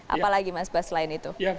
apalagi mas bas selain itu